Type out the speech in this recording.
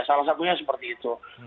salah satunya seperti itu